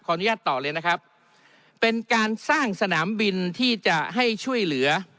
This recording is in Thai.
อนุญาตต่อเลยนะครับเป็นการสร้างสนามบินที่จะให้ช่วยเหลือ